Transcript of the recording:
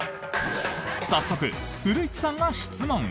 早速、古市さんが質問！